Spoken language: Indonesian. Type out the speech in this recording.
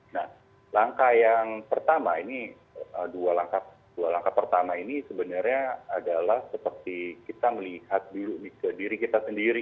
nah langkah yang pertama ini dua langkah pertama ini sebenarnya adalah seperti kita melihat ke diri kita sendiri